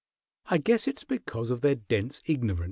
I guess it's because of their dense ignorance."